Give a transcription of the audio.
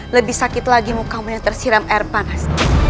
lebih sakit lagi mukanya tersiram air panas